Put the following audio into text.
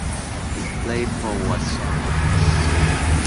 He played for Watsonians.